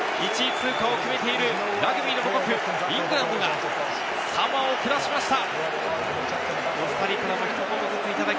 通過を決めている、ラグビーの母国イングランドがサモアを下しました。